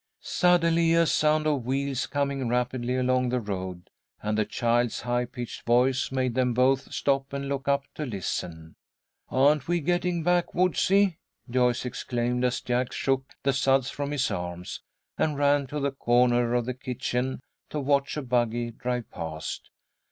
Suddenly a sound of wheels, coming rapidly along the road, and a child's high pitched voice made them both stop and look up to listen. "Aren't we getting back woodsy!" Joyce exclaimed, as Jack shook the suds from his arms, and ran to the corner of the kitchen to watch a buggy drive past.